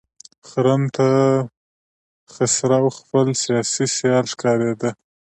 خرم ته خسرو خپل سیاسي سیال ښکارېده.